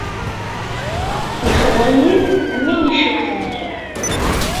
Ixẓer-iyi-d am win yeccukten kra.